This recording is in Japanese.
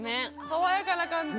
爽やかな感じ。